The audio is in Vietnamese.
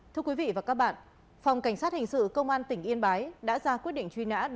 thưa quý vị và các bạn phòng cảnh sát hình sự công an tỉnh yên bái đã ra quyết định truy nã